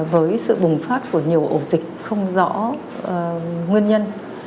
với sự bùng phát của nhiều ổ dịch không rõ nguyên nhân